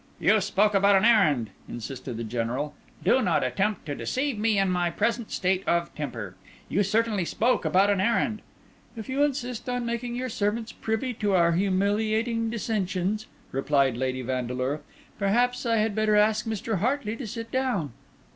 "You spoke about an errand," insisted the General. "Do not attempt to deceive me in my present state of temper. You certainly spoke about an errand." "If you insist on making your servants privy to our humiliating dissensions," replied Lady Vandeleur, "perhaps I had better ask Mr. Hartley to sit down.